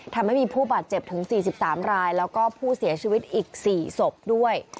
ทำให้มีผู้บาดเจ็บถึง๔๓รายแล้วก็ผู้เสียชีวิตอีก๔ศพด้วย